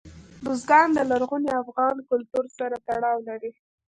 بزګان د لرغوني افغان کلتور سره تړاو لري.